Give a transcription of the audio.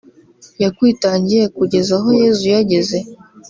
yakwitangiye kugeza aho Yezu yageze